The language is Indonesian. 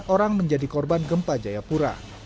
empat orang menjadi korban gempa jayapura